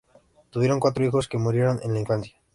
Tuvieron cuatro hijos, que murieron en la infancia.